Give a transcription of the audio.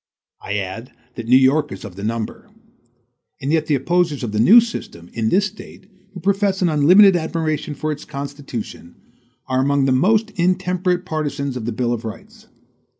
I add that New York is of the number. And yet the opposers of the new system, in this State, who profess an unlimited admiration for its constitution, are among the most intemperate partisans of a bill of rights.